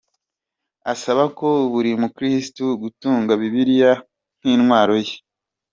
Asaba ko buri mukristu gutunga Bibiliya nk’intwaro ye.